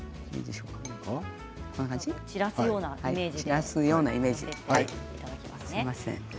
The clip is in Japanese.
散らすようなイメージですね。